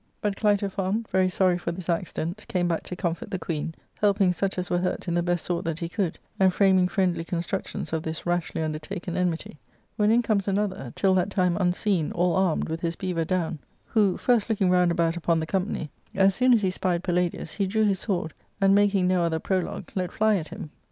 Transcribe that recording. But Clitophon, very sorry for this accident, came back to ' comfort the queen, helping such as were hurt in the best sort that he could, and framing friendly constructions of this rashly undertaken enmity ; when in comes another, till "• that time unseen, all armed, with his beaver down, who, first looking round about upon the company, as soon as he spied Pajl^im, hf^ drifw hin nwnrrl; nnd^ making nn othrr pro logue, let fly at him.